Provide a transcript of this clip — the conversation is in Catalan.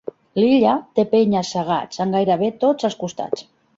L'illa té penya-segats en gairebé tots els costats.